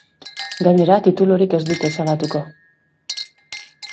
Gainera, titulurik ez dute ezabatuko.